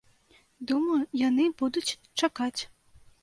Думаю, яны будуць чакаць.